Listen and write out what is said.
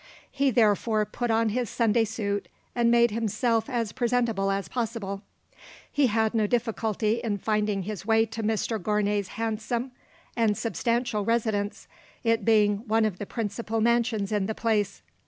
He therefore put on his Sunday suit, and made himself as presentable as possible. He had no difficulty in finding his way to Mr Gournay's handsome and substantial residence, it being one of the principal mansions in the place.